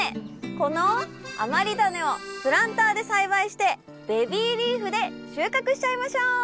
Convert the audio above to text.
この余りダネをプランターで栽培してベビーリーフで収穫しちゃいましょう！